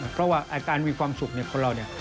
เพราะว่าการมีความสุขในคนเรา